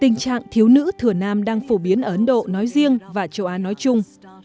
tình trạng thiếu nữ thừa nam đang phổ biến ở ấn độ nói riêng và châu á nói chung